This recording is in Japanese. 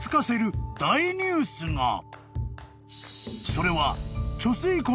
［それは］